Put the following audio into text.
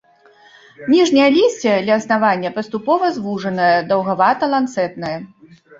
Ніжняе лісце ля аснавання паступова звужанае, даўгавата-ланцэтнае.